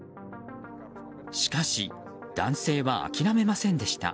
しかし男性は諦めませんでした。